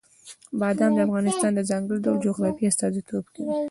بادام د افغانستان د ځانګړي ډول جغرافیې استازیتوب کوي.